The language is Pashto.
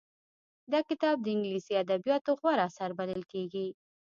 دا کتاب د انګليسي ادبياتو غوره اثر بلل کېږي.